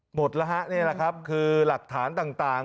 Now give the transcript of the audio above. หมดแล้วฮะนี่แหละครับคือหลักฐานต่าง